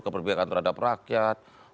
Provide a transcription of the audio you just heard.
keperbibakan terhadap rakyat